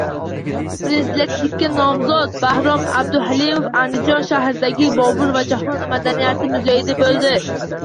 Prezidentlikka nomzod Bahrom Abduhalimov Andijon shahridagi “Bobur va jahon madaniyati” muzeyida bo‘ldi